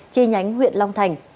chi nhánh huyện long thành